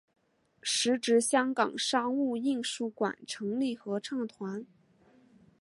时值香港商务印书馆成立合唱团。